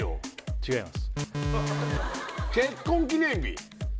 違います